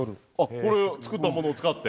これ作ったものを使って？